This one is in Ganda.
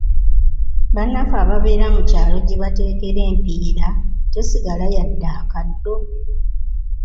Bannaffe ababeera mu kyalo gye bateekera empiira tesigala yadde akaddo!